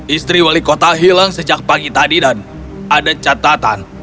istri wali kota hilang sejak pagi tadi dan ada catatan